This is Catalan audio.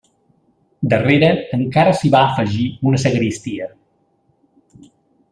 Darrere encara s'hi va afegir una sagristia.